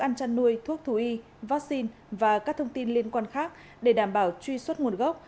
ăn chăn nuôi thuốc thú y vaccine và các thông tin liên quan khác để đảm bảo truy xuất nguồn gốc